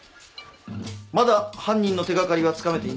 まだ犯人の手掛かりはつかめていない。